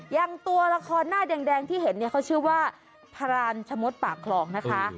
อย่างตัวละครหน้าแดงที่เห็นเนี่ยเขาชื่อว่าพรานชะมดปากคลองนะคะ